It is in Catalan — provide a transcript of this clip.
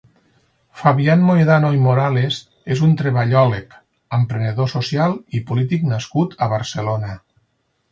Fabian Mohedano i Morales és un treballòleg, emprenedor social i polític nascut a Barcelona.